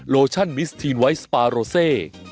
โลชั่นมิสเทียนไว้สเปาโลเซ